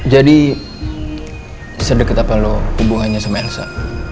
jadi sedeket apa lo hubungannya sama elsa